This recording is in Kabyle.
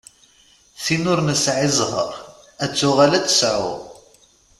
Tin ur nesɛi zzher ad tuɣal ad tesɛu.